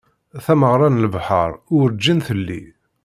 Tameγra n lebḥeṛ urğin telli.